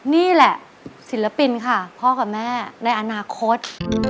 นี่แหละศิลปินค่ะพ่อกับแม่ในอนาคต